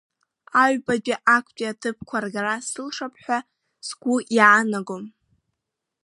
Аҩбатәи актәи аҭыԥқәа ргара сылшап ҳәа сгәы иаанагом.